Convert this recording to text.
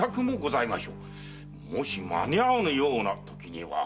もし間に合わぬようなときは。